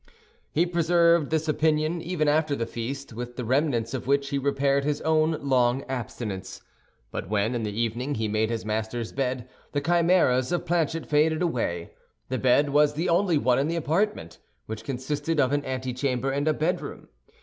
He preserved this opinion even after the feast, with the remnants of which he repaired his own long abstinence; but when in the evening he made his master's bed, the chimeras of Planchet faded away. The bed was the only one in the apartment, which consisted of an antechamber and a bedroom.